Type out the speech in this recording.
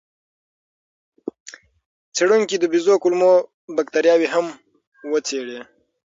څېړونکو د بیزو کولمو بکتریاوې هم وڅېړې.